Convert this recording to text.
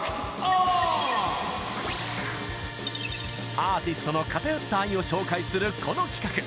アーティストの偏った愛を紹介する、この企画！